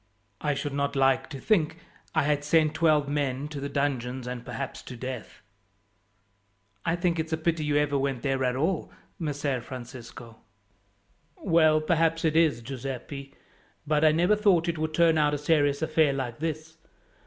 I should not like to think I had sent twelve men to the dungeons and perhaps to death." "I think it's a pity you ever went there at all, Messer Francisco." "Well, perhaps it is, Giuseppi; but I never thought it would turn out a serious affair like this.